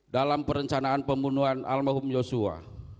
dalam perencanaan pembunuhan al mahum yosua